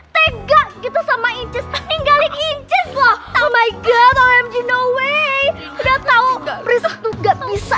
tega gitu sama inces tinggalin inces loh oh my god omg no way udah tau beres tuh gak bisa